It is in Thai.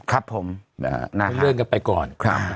ครับผมเลื่อนกันไปก่อน